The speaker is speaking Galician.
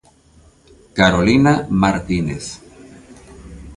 Carolina Martínez.